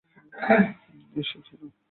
এসো, খেয়ে নাও।